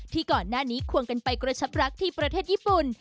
ก่อนหน้านี้ควงกันไปกระชับรักที่ประเทศญี่ปุ่น